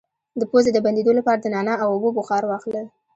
د پوزې د بندیدو لپاره د نعناع او اوبو بخار واخلئ